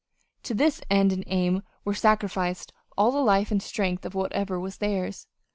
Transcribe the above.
To this end and aim were sacrificed all the life and strength of whatever was theirs.